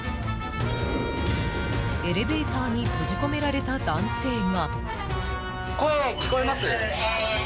エレベーターに閉じ込められた男性が。